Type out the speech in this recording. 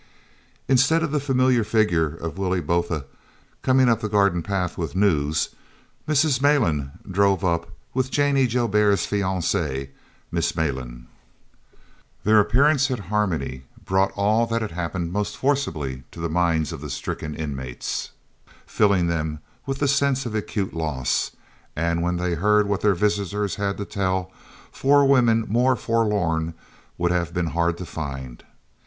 Instead of the familiar figure of Willie Botha coming up the garden path with news, Mrs. Malan drove up with Jannie Joubert's fiancée, Miss Malan. Their appearance at Harmony brought all that had happened most forcibly to the minds of the stricken inmates, filling them with the sense of acute loss; and when they heard what their visitors had to tell, four women more forlorn would have been hard to find.